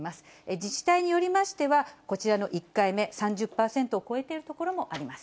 自治体によりましては、こちらの１回目、３０％を超えている所もあります。